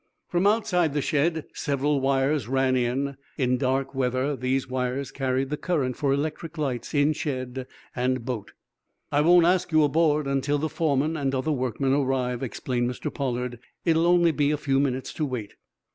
From outside the shed several wires ran in. In dark weather these wires carried the current for electric lights in shed and boat. "I won't ask you aboard until the foreman and other workmen arrive," explained Mr. Pollard. "It'll be only a few minutes to wait."